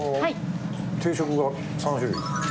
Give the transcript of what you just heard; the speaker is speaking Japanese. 定食が３種類。